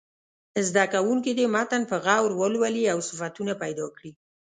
زده کوونکي دې متن په غور ولولي او صفتونه پیدا کړي.